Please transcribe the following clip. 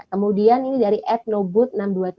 kemudian ini dari ednobood enam ratus dua puluh tujuh